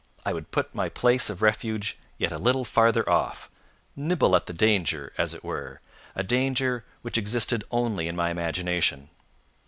I would put my place of refuge yet a little farther off, nibble at the danger, as it were a danger which existed only in my imagination.